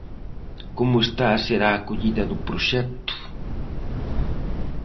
Como está a ser a acollida do proxecto?